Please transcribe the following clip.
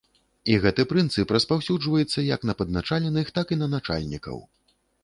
І гэты прынцып распаўсюджваецца як на падначаленых, так і на начальнікаў.